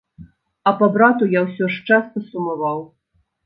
А па брату я ўсё ж часта сумаваў.